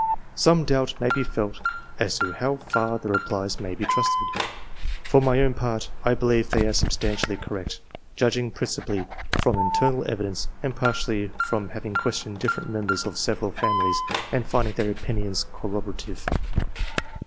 Some doubt may be felt as to how far the replies may be trusted. For my own part, I believe they are substantially correct, judging principally from internal evidence, and partly from having questioned different members of several families, and finding their opinions cor roborative.